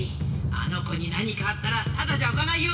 あの子に何かあったらただじゃおかないよ！